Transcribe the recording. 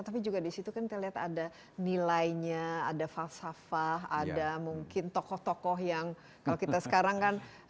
tapi juga disitu kan kita lihat ada nilainya ada falsafah ada mungkin tokoh tokoh yang kalau kita sekarang kan